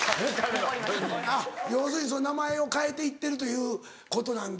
あっ要するに名前を変えていってるということなんだ。